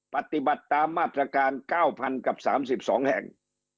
ปฏิบัติตามมาตรการ๙๐๐กับ๓๒แห่ง